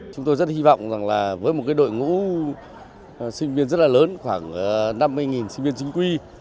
chúng tôi rất hy vọng rằng là với một đội ngũ sinh viên rất là lớn khoảng năm mươi sinh viên chính quy